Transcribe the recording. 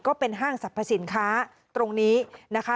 ก็เป็นห้างสรรพสินค้าตรงนี้นะคะ